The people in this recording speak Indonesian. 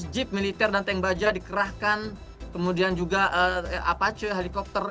jeep militer dan tank baja dikerahkan kemudian juga apache helikopter